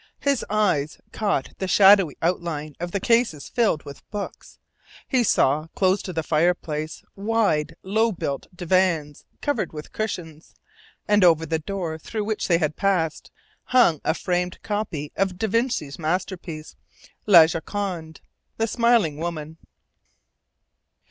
His eyes caught the shadowy outline of cases filled with books; he saw close to the fireplace wide, low built divans covered with cushions; and over the door through which they passed hung a framed copy of da Vinci's masterpiece, "La Joconde," the Smiling Woman.